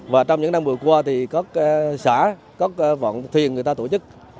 và trong những năm vừa qua thì có xã có vọn thuyền người ta tổ chức